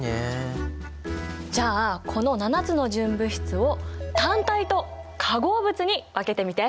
じゃあこの７つの純物質を単体と化合物に分けてみて。